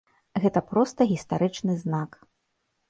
Гэта проста гістарычны знак.